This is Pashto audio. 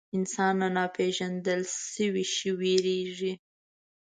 انسان له ناپېژندل شوي شي وېرېږي.